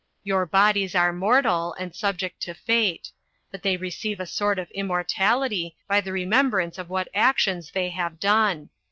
Your bodies are mortal, and subject to fate; but they receive a sort of immortality, by the remembrance of what actions they have done.